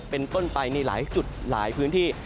เป็นต้นไปในหลายจุดหลายพื้นที่